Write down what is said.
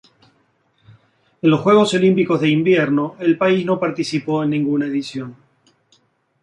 En los Juegos Olímpicos de Invierno el país no participó en ninguna edición.